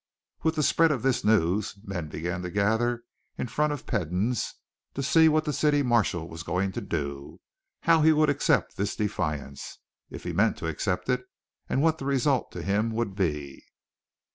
With the spread of this news men began to gather in front of Peden's to see what the city marshal was going to do, how he would accept this defiance, if he meant to accept it, and what the result to him would be.